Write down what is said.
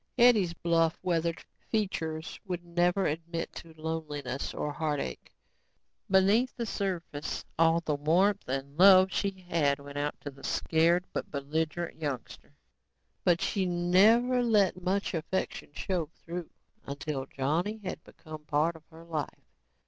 Hetty's bluff, weathered features would never admit to loneliness or heartache. Beneath the surface, all the warmth and love she had went out to the scared but belligerent youngster. But she never let much affection show through until Johnny had become part of her life.